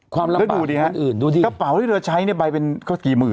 ความลำบากของคนอื่นดูดิฮะกระเป๋าที่เราใช้เนี่ยใบเป็นกี่หมื่น